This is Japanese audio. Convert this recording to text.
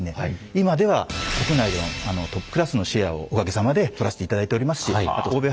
今では国内でのトップクラスのシェアをおかげさまでとらせていただいておりますし欧米